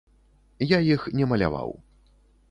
Я іх не маляваў.